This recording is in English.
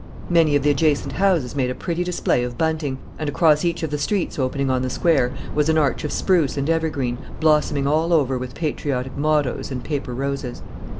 Many of the adjacent houses made a pretty display of bunting, and across each of the streets opening on the Square was an arch of spruce and evergreen, blossoming all over with patriotic mottoes and paper roses.